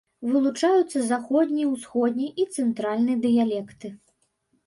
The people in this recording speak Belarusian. Вылучаюцца заходні, усходні і цэнтральны дыялекты.